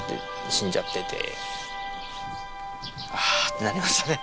ああってなりましたね。